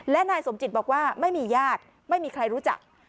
และนายสมจิตบอกว่าไม่มีญาติไม่มีใครรู้จัก